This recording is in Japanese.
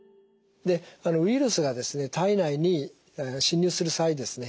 ウイルスが体内に侵入する際にですね